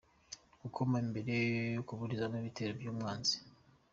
– Gukoma imbere no kuburizamo ibitero by’umwanzi;